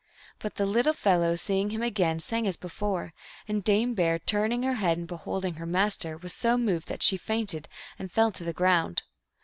But the little fellow, seeing him again, sang as before, and Dame Bear, turning her head and beholding her Master, was so moved that she fainted and fell to the ground.